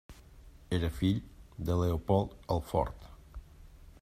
Era fill de Leopold el Fort.